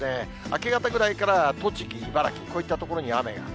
明け方くらいから栃木、茨城、こういった所に雨が。